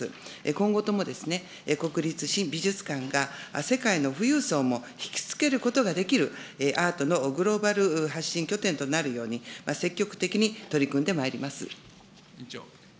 今後とも国立新美術館が世界の富裕層も引き付けることができるアートのグローバル発信拠点となるように、積極的に取り組んでまいります。